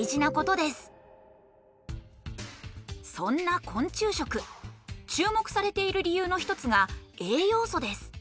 そんな昆虫食注目されている理由の１つが栄養素です。